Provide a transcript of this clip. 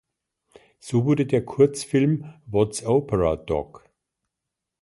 So wurde der Kurzfilm "What’s Opera, Doc?